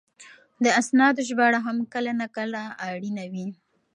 د اسنادو ژباړه هم کله ناکله اړینه وي.